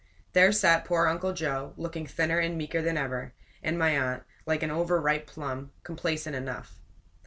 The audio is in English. There sat poor Uncle Joe, looking thinner and meeker than ever; and my aunt, like an overripe plum, complacent enough.